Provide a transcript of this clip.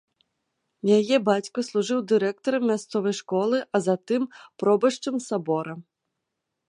Яе бацька служыў дырэктарам мясцовай школы, а затым пробашчам сабора.